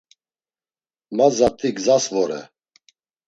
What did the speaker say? Ma zat̆i gzas vore.